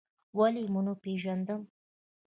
ولې و مو نه پېژندم؟